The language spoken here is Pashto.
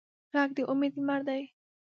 غږ د امید لمر دی